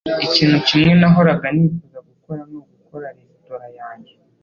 Ikintu kimwe nahoraga nifuza gukora ni ugukora resitora yanjye.